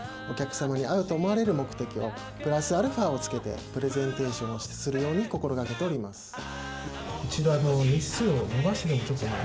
お客様に合うと思われる目的をプラスアルファをつけてプレゼンテーションをするように心がけております。